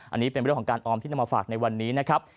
อันนี้เป็นเรื่องของการออมที่นำมาฝากในวันนี้นะครับ